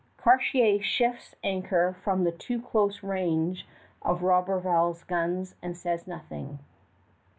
Cartier shifts anchor from too close range of Roberval's guns and says nothing.